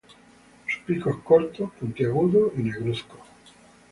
Su pico es corto, puntiagudo y negruzco.